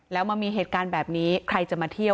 แล้วมันมีเหตุการณ์แบบนี้ใครจะมาเที่ยว